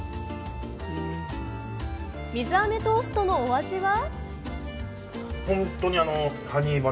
水あめトーストのお味は？